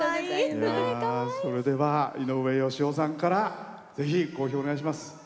井上芳雄さんからぜひ講評お願いします。